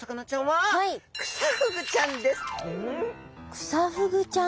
クサフグちゃん？